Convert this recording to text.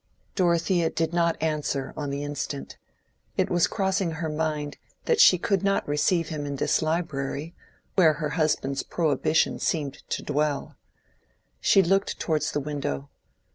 Dorothea did not answer on the instant: it was crossing her mind that she could not receive him in this library, where her husband's prohibition seemed to dwell. She looked towards the window.